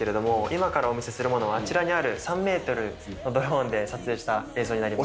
今からお見せするものはあちらにある３ｍのドローンで撮影した映像になります。